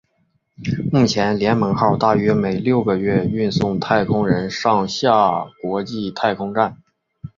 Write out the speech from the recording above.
目前联盟号大约每六个月运送太空人上下国际太空站。